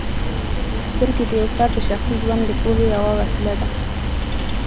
سترګې د یو فرد د شخصي ژوند د پوهې یوه وسیله ده.